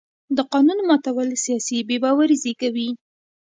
د قانون ماتول سیاسي بې باوري زېږوي